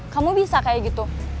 kamu bisa kayak gitu